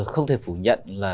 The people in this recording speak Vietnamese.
không thể phủ nhận là